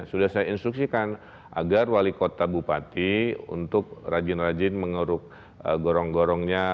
sudah saya instruksikan agar wali kota bupati untuk rajin rajin mengeruk gorong gorongnya